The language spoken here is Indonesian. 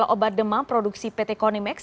obat demam produksi pt konimax